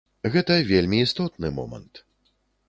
Гэта вельмі істотны момант.